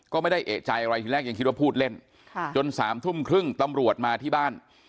ก็ไม่ได้เอกใจอะไรทีแรกยังคิดว่าพูดเล่นจน๓ทุ่มครึ่งตำรวจมาที่บ้าน